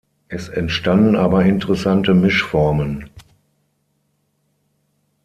Es entstanden aber interessante Mischformen.